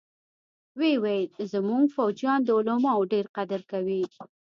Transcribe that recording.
ويې ويل زمونګه فوجيان د علماوو ډېر قدر کوي.